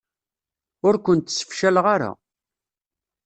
Ur kent-sefcaleɣ ara.